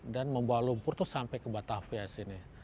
dan membawa lumpur itu sampai ke batavia sini